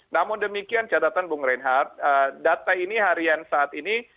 namun demikian catatan bung reinhardt data ini harian saat ini